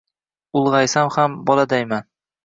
Ulg’aysam ham boladayman.